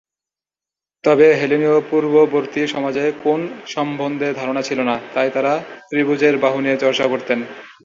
তবে, হেলিনীয় পূর্ববর্তী সমাজে কোণ সম্বন্ধে ধারণা ছিল না, তাই তাঁরা ত্রিভুজের বাহু নিয়ে চর্চা করতেন।